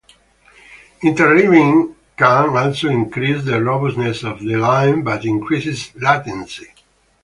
Interleaving can also increase the robustness of the line but increases latency.